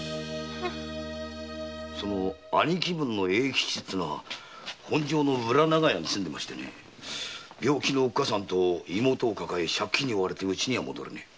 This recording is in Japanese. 兄貴分の永吉というのは本所の裏長屋に住んでましてね病気の母親と妹を抱え借金に追われて家には戻れねえ。